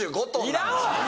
いらんわ！